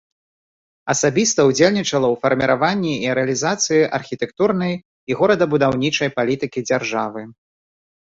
Асабіста ўдзельнічала ў фарміраванні і рэалізацыі архітэктурнай і горадабудаўнічай палітыкі дзяржавы.